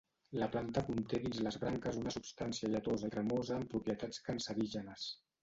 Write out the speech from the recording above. La planta conté dins les branques una substància lletosa i cremosa amb propietats cancerígenes.